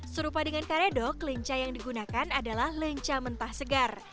serupa dengan karedok lenca yang digunakan adalah lenca mentah segar